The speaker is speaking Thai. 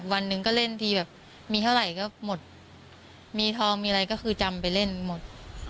วันหนึ่งก็เล่นทีแบบมีเท่าไหร่ก็หมดมีทองมีอะไรก็คือจำไปเล่นหมด